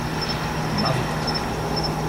Masel tov!